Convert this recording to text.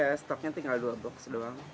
masker ada stoknya tinggal dua box doang